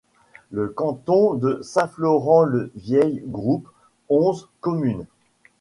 Le canton de Saint-Florent-le-Vieil groupe onze communes.